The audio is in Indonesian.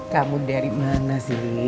kamu dari mana sih